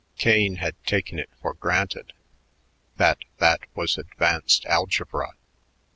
Kane had taken it for granted that that was advanced algebra.